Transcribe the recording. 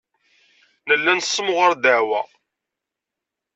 Nella nessemɣar ddeɛwa.